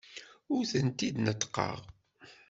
Ur tent-id-neṭṭqeɣ.